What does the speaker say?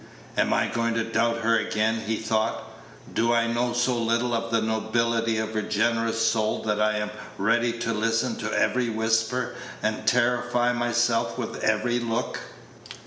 "Am I going to doubt her again?" he thought. "Do I know so little of the nobility of her generous soul that I am ready to listen to every whisper, and terrify myself with every look?"